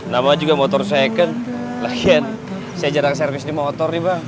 nama juga motor second saya jarang servis di motor